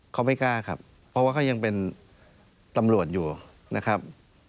เขาไม่กล้าครับเพราะว่าเขายังเป็นตำรวจอยู่นะครับ